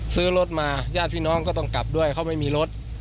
ซื้อรถมาญาติพี่น้องก็ต้องกลับด้วยเขาไม่มีรถ